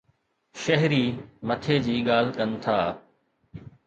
شهري مٿي جي ڳالهه ڪن ٿا.